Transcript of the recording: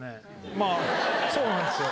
まあそうなんですよ。